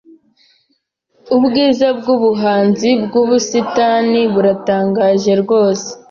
Ubwiza bwubuhanzi bwubusitani buratangaje rwose.